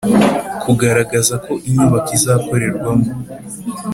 Kugaragaza ko inyubako izakorerwamo